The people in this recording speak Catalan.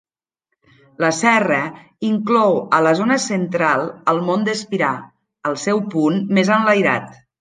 La serra inclou a la zona central el Mont d'Espirà, el seu punt més enlairat.